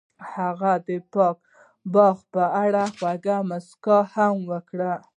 هغې د پاک باغ په اړه خوږه موسکا هم وکړه.